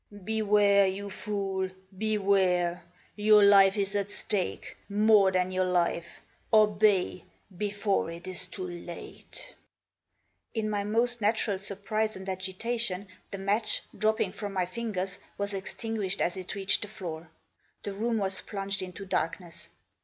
" Beware, you fool, beware ! Your life's at stake, more than your life. Obey, before it is too late." In my most natural surprise and agitation, the match, dropping from my fingers, was extinguished as it reached the floor. The room was plunged into dark ness.